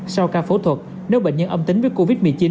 sau ca phẫu thuật nếu bệnh nhân âm tính với covid một mươi chín